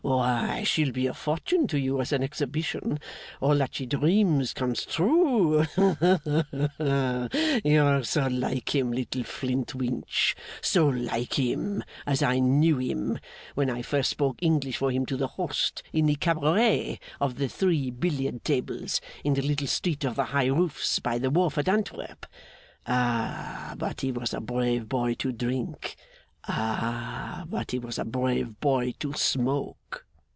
Why, she'll be a fortune to you as an exhibition. All that she dreams comes true. Ha, ha, ha! You're so like him, Little Flintwinch. So like him, as I knew him (when I first spoke English for him to the host) in the Cabaret of the Three Billiard Tables, in the little street of the high roofs, by the wharf at Antwerp! Ah, but he was a brave boy to drink. Ah, but he was a brave boy to smoke!